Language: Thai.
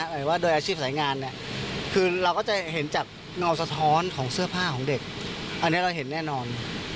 หรือว่าโดยอาชีพสายงานเนี่ยคือเราก็จะเห็นจากเงาสะท้อนของเสื้อผ้าของเด็กอันนี้เราเห็นแน่นอน